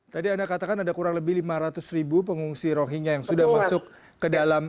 tadi anda katakan ada kurang lebih lima ratus ribu pengungsi rohingya yang sudah masuk ke dalam